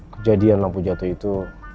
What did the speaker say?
kejadian lampu jatuh itu